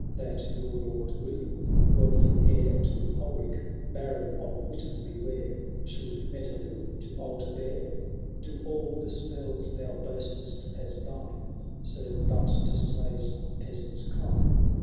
That your Lord William, wealthy heir To Ulrick, Baron of Witton le Wear, Should Metelill to altar bear ? Do all the spells thou boast'st as thine Serve but to slay some peasant's kine.